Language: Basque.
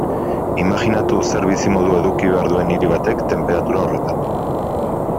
Imajinatu zer bizimodu eduki behar duen hiri batek tenperatura horretan.